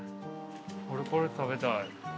俺これ食べたい。